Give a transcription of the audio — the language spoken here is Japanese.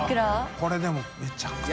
これでもめちゃくちゃ。